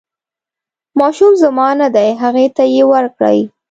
ماشوم زما نه دی هغې ته یې ورکړئ.